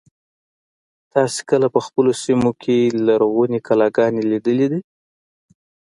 تاسې کله په خپلو سیمو کې لرغونې کلاګانې لیدلي دي.